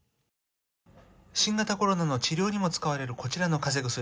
新型コロナの治療にも使われる、こちらの風邪薬。